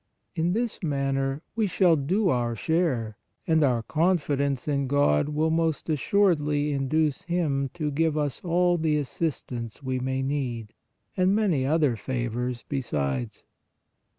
In this manner, we shall do our share, and our confidence in God will most assuredly induce Him to give us all the assistance we may need and many other favors besides.